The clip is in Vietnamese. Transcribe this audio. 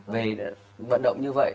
về vận động như vậy